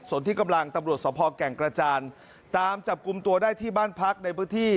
ส่วนที่กำลังตำรวจสภแก่งกระจานตามจับกลุ่มตัวได้ที่บ้านพักในพื้นที่